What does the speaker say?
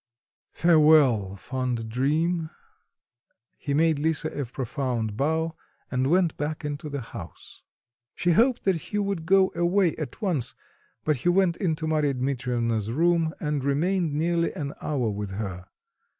Farewell, fond dream!" He made Lisa a profound bow, and went back into the house. She hoped that he would go away at once; but he went into Marya Dmitrievna's room and remained nearly an hour with her.